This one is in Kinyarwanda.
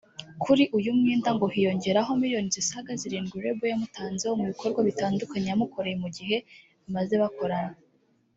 Kuri uyu mwenda ngo hiyongeraho miliyoni zisaga zirindwi label yamutanzeho mu bikorwa bitandukanye yamukoreye mu gihe bamaze bakorana